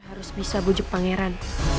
harus bisa bujuk pangeran